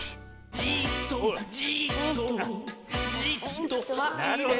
「じっとじっとじっとはいればからだの」